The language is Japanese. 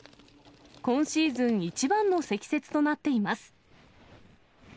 今シーズン一番の積雪となっています。